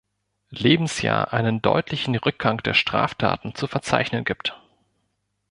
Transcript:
Lebensjahr einen deutlichen Rückgang der Straftaten zu verzeichnen gibt.